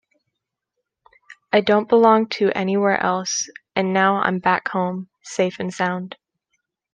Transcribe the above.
I don't belong to anywhere else, and now I'm back home, safe and sound.